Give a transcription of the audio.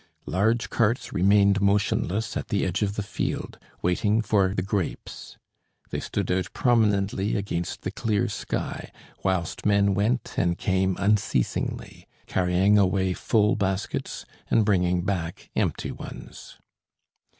Large carts remained motionless at the edge of the field waiting for the grapes; they stood out prominently against the clear sky, whilst men went and came unceasingly, carrying away full baskets, and bringing back empty ones.